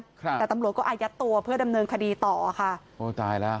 ครับแต่ตำรวจก็อายัดตัวเพื่อดำเนินคดีต่อค่ะโอ้ตายแล้ว